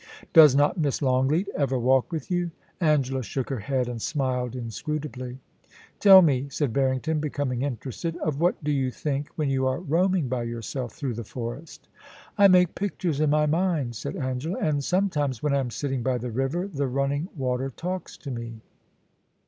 * Does not Miss Longleat ever walk with you ?' Angela shook her head and smiled inscrutably. * Tell me,' said Barrington, becoming interested, * of what do you think when you are roaming by yourself through the forest ?* I make pictures in my mind,' said Angela, * and some times when I am sitting by the river, the running water talks to me.'